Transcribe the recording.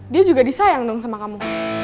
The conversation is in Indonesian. dia juga disayang dong sama kamu